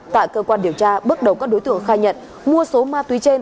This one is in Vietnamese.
tại cơ quan điều tra bước đầu các đối tượng khai nhận mua số ma túy trên